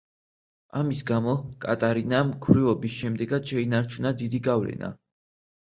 ამის გამო, კატარინამ ქვრივობის შემდეგაც შეინარჩუნა დიდი გავლენა.